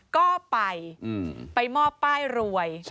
ก็ไปไปมอบป้ายรวย